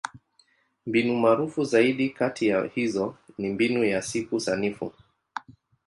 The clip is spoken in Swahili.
Mbinu maarufu zaidi kati ya hizo ni Mbinu ya Siku Sanifu.